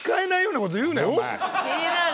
気になる。